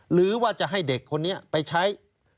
หรือว่าจะให้เด็กคนนี้ไปใช้